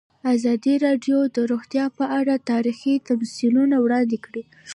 ازادي راډیو د روغتیا په اړه تاریخي تمثیلونه وړاندې کړي.